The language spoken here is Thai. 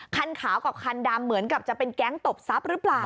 คันขาวกับคันดำเหมือนกับจะเป็นแก๊งตบทรัพย์หรือเปล่า